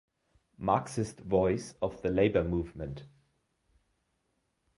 Marxist Voice of the Labour Movement".